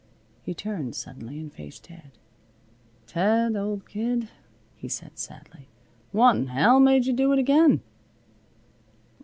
He turned suddenly and faced Ted. "Ted, old kid," he said sadly, "what'n'ell made you do it again?"